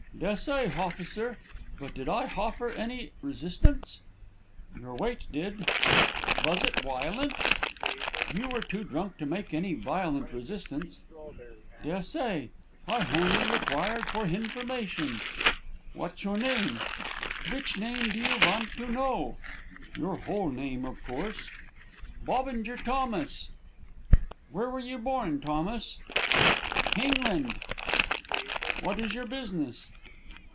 "'Des'say, hofficer; but did I hoffer any resistance?' "'Your weight did.' "'Vas it wiolent?' "'You were too drunk to make any violent resistance.' "'Des'say; I honly inquired for hinformation.' "'What's your name?' "'Vich name do you vant to know?' "'Your whole name, of course.' "'Bobinger Thomas.' "'Where were you born, Thomas?' "'Hingland.' "'What is your business?'